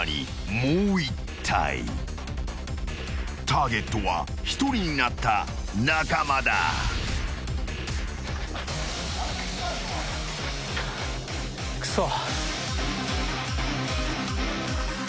［ターゲットは１人になった中間だ］クソ。